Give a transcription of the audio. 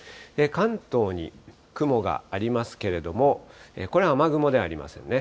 関東に雲がありますけれども、これ、雨雲ではありませんね。